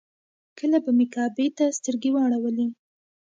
کله به مې کعبې ته سترګې واړولې.